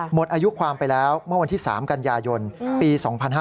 หมดอายุความไปแล้วเมื่อวันที่๓กันยายนปี๒๕๕๙